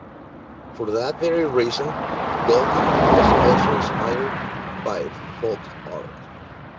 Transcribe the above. For that very reason, Gauguin was also inspired by folk art.